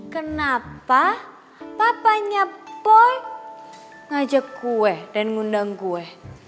kenapa papanya boy ngajak gue dan ngundang gue